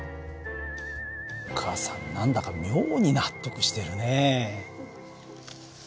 お母さん何だか妙に納得してるね。